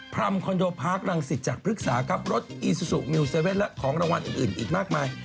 ๓คมปีหน้าเลยจำกัดสักนิดนึง๑ทางต่อ๑ช่วงรายการฮะ